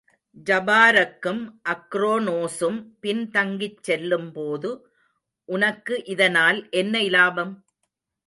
ஜபாரக்கும் அக்ரோனோசும் பின் தங்கிச் செல்லும்போது, உனக்கு இதனால் என்ன இலாபம்?